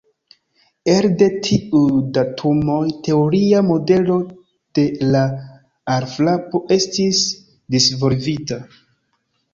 Elde tiuj datumoj, teoria modelo de la alfrapo estis disvolvita.